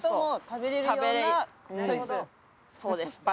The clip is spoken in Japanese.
そうです。